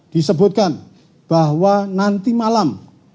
disebutkan bahwa nanti malam